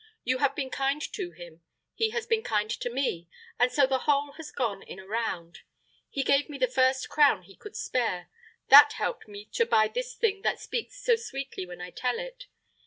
You have been kind to him; he has been kind to me; and so the whole has gone in a round. He gave me the first crown he could spare; that helped me to buy this thing that speaks so sweetly when I tell it.